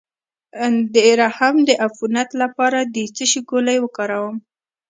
د رحم د عفونت لپاره د څه شي ګولۍ وکاروم؟